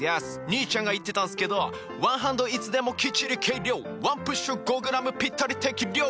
兄ちゃんが言ってたんすけど「ワンハンドいつでもきっちり計量」「ワンプッシュ５ｇぴったり適量！」